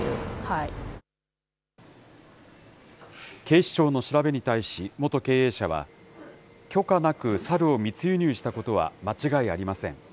警視庁の調べに対し、元経営者は、許可なく猿を密輸入したことは間違いありません。